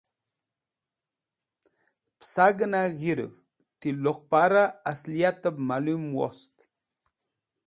Pẽsagẽna g̃hirũv ti luqparẽ asliatẽb malũm wost.